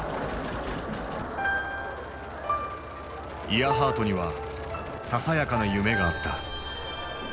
イアハートにはささやかな夢があった。